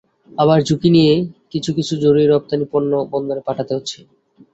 আবার ঝুঁকি নিয়ে কিছু কিছু জরুরি রপ্তানি পণ্য বন্দরে পাঠাতে হচ্ছে।